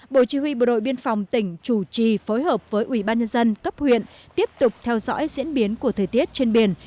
bộ chỉ huy bộ đội biên phòng tỉnh chủ trì phối hợp với ubnd cấp huyện tiếp tục theo dõi diễn biến của thời tiết trên biển